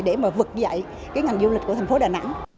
để vực dạy ngành du lịch của thành phố đà nẵng